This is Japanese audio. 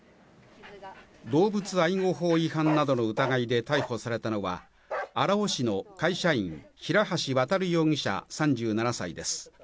動物愛護法違反などの疑いで逮捕されたのは、荒尾市の会社員、平橋渉容疑者３７歳です。